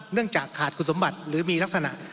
เนื่องจากขาดคุณสมบัติหรือมีลักษณะ